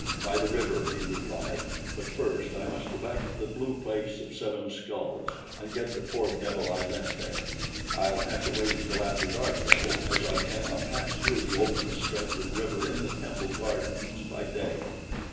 "By the river," he replied; "but first I must go back to the Blue Place of Seven Skulls and get the poor devil I left there. I'll have to wait until after dark, though, as I cannot pass through the open stretch of river in the temple gardens by day."